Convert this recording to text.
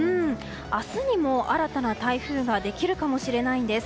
明日にも新たな台風ができるかもしれないんです。